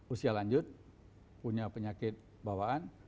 usia lanjut punya penyakit bawaan